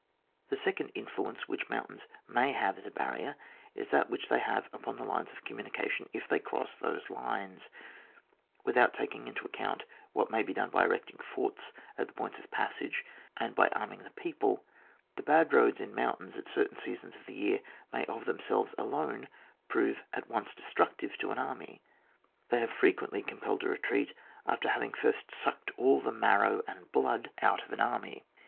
The second influence which mountains may have as a barrier is that which they have upon the lines of communica tion if they cross those lines^ Without taking into account what may be done by erecting forts at the points of passage and by arming the people, the bad roads in mountains at certain seasons of the year may of themselves alone prove at once destructive to an army ; they have fre quently compelled a retreat fdh;er having first sucked all the marrow and blood 128 ON WAR. [book VI, out of the army.